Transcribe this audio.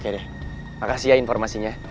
oke deh makasih ya informasinya